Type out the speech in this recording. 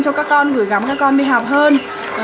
cho các con gửi gắm các con đi học hơn